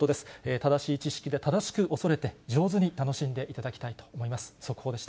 正しい知識で正しく恐れて、上手に楽しんでいただきたいと思います。